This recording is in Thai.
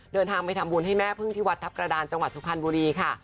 เดินทางไปทำบุญให้แม่พึ่งที่วัดทัพกระดานจังหวัดสุพรรณบุรีค่ะ